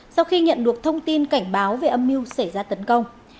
sau khi nhận được thông tin cảnh báo về âm mưu xảy ra tấn công